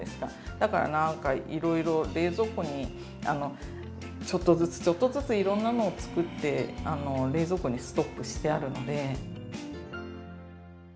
だからなんかいろいろ冷蔵庫にちょっとずつちょっとずついろんなのを作って冷蔵庫にストックしてあるので。